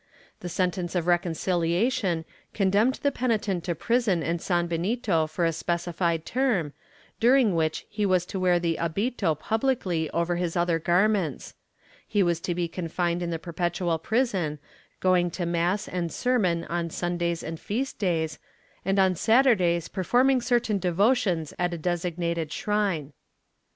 The sentence of recon ciUation condemned the penitent to prison and sanbenito for a specified term, during which he was to wear the ahito publicly over his other garments; he was to be confined in the perpetual prison, going to mass and sermon on Sundays and feast days, and on Saturdays performing certain devotions at a designated shrine.